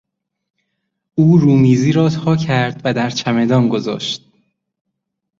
او رومیزی را تاکرد و در چمدان گذاشت.